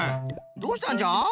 どうしたんじゃ？